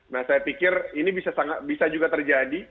nah saya pikir ini bisa juga terjadi